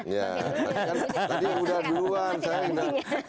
iya tadi udah duluan saya